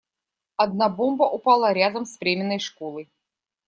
Одна бомба упала рядом с временной школой.